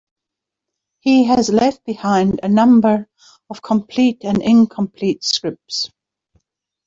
He has left behind a number of complete and incomplete scripts.